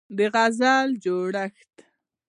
د غزل جوړښت